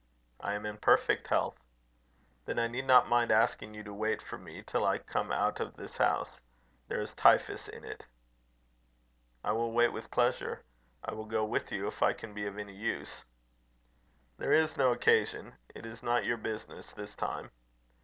"I am in perfect health." "Then I need not mind asking you to wait for me till I come out of this house. There is typhus in it." "I will wait with pleasure. I will go with you if I can be of any use." "There is no occasion. It is not your business this time."